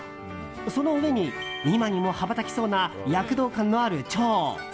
その上に今にも羽ばたきそうな躍動感のあるチョウ。